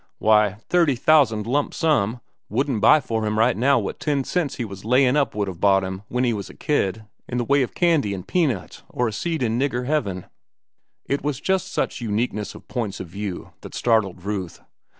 Why, thirty thousand, lump sum, wouldn't buy for him right now what ten cents he was layin' up would have bought him, when he was a kid, in the way of candy an' peanuts or a seat in nigger heaven." It was just such uniqueness of points of view that startled Ruth.